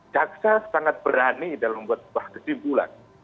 jaksa sangat berani dalam membuat sebuah kesimpulan